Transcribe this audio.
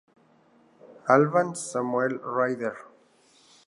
Albans, Samuel Ryder.